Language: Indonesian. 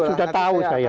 sudah tahu saya